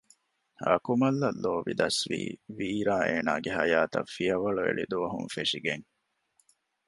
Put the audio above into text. އަކުމަލްއަށް ލޯބި ދަސްވީ ވީރާ އޭނާގެ ހަޔާތަށް ފިޔަވަޅުއެޅި ދުވަހުން ފެށިގެން